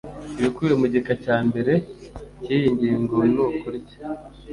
ibikubiye mu gika cya mbere cy iyi ngingo nukurya